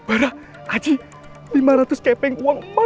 aku akan terus memberikan apa yang jadinya hak kalian